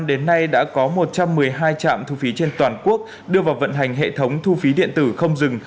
đến nay đã có một trăm một mươi hai trạm thu phí trên toàn quốc đưa vào vận hành hệ thống thu phí điện tử không dừng